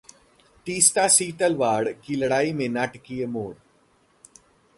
तीस्ता सीतलवाड़ की लड़ाई में नाटकीय मोड़